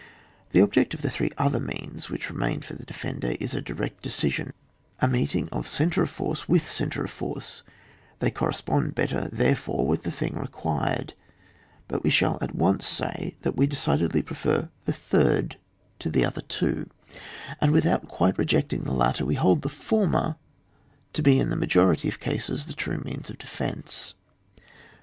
The object of the three other means which remain for the defender, is a direct decision — a meeting of centre of force with centre of force; they correspond better, therefore, with the thing required. But we shall at once say that we de cidedly prefer the third to the other two, and without quite rejecting^ the latter, we hold the former to be in the n^pfority of cases the true means of defence.